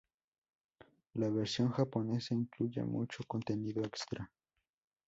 La versión japonesa incluye mucho contenido extra.